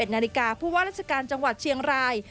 ๑นาฬิกาผู้ว่าราชการจังหวัดเชียงราย